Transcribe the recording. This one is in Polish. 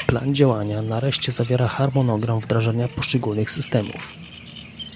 Plan działania nareszcie zawiera harmonogram wdrażania poszczególnych systemów